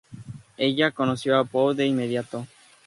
Ella reconoció a Poe de inmediato.